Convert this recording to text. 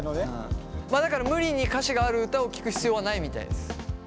まあだから無理に歌詞がある歌を聴く必要はないみたいです。